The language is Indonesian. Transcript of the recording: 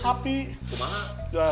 iya kopi itu di lampung